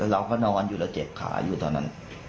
เราก็นอนอยู่แล้วเจ็บขาอยู่ตอนนั้น